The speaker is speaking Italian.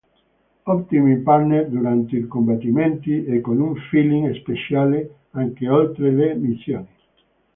Ottimi partner durante i combattimenti e con un feeling speciale anche oltre le missioni.